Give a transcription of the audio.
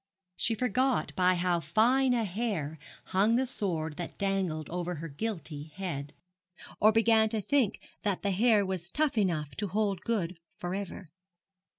She forgot by how fine a hair hung the sword that dangled over her guilty head or began to think that the hair was tough enough to hold good for ever.